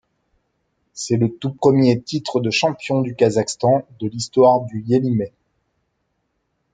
C'est le tout premier titre de champion du Kazakhstan de l'histoire du Yelimay.